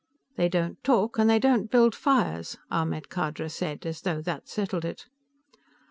"They don't talk, and they don't build fires," Ahmed Khadra said, as though that settled it.